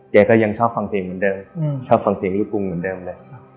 แกก็ยังชอบฟังเพลงเหมือนเดิมชอบฟังเพลงลูกกรุงเหมือนเดิมเลย